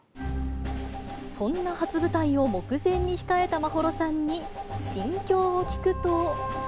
そんな初舞台を目前に控えた眞秀さんに、心境を聞くと。